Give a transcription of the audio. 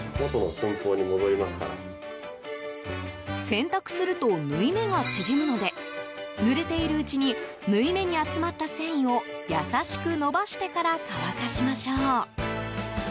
洗濯すると縫い目が縮むのでぬれているうちに縫い目に集まった繊維を優しく伸ばしてから乾かしましょう。